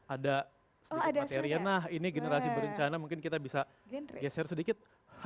ada sedikit materian nah ini generasi berencana mungkin kita bisa geser sedikit